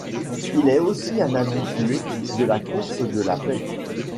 Il est aussi un habitué de la Course de la Paix.